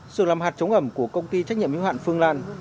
sưởng làm hạt chống ẩm của công ty trách nhiệm hữu hạn phương lan